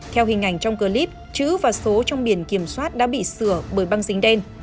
theo hình ảnh trong clip chữ và số trong biển kiểm soát đã bị sửa bởi băng dính đen